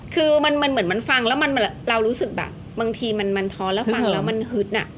คือมันเหมือนมันฟังแล้วเรารู้สึกแบบบางทีมันท้อนแล้วฟังแล้วมันฮึด